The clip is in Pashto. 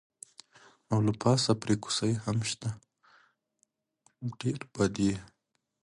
او له پاسه پرې کوسۍ هم شته، ډېر بد یې.